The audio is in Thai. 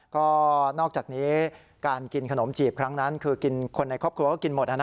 ก็นอกจากนี้การกินขนมจีบครั้งนั้นคือกินคนในครอบครัวก็กินหมด